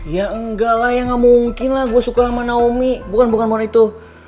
ya enggak lah ya nggak mungkin lah gue suka sama naomi bukan bukan mohon itu